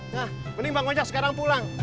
nah mending bang ojak sekarang pulang